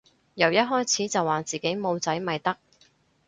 由一開始就話自己冇仔咪得